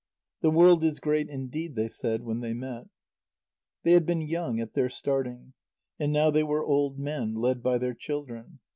"The world is great indeed," they said when they met. They had been young at their starting, and now they were old men, led by their children.